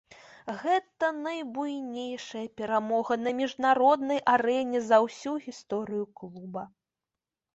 Гэта найбуйнейшая перамога на міжнароднай арэне за ўсю гісторыю клуба.